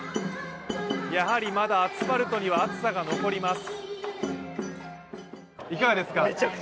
やはりまだアスファルトには熱さが残ります。